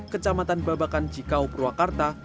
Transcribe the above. kecamatan babakan cikau purwakarta